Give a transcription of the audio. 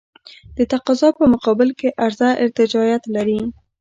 د تقاضا په مقابل کې عرضه ارتجاعیت لري.